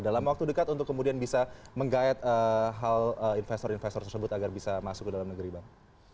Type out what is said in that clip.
dalam waktu dekat untuk kemudian bisa menggayat hal investor investor tersebut agar bisa masuk ke dalam negeri bang